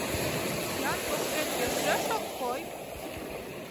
Сӱан поштек йӧршеш ок кой?..